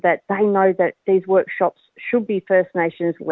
bahwa mereka tahu bahwa workshop ini harus dilakukan oleh first nations